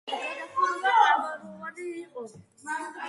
გადახურვა კამაროვანი იყო.